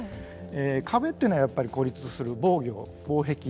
壁っていうのはやっぱり孤立する防御防壁。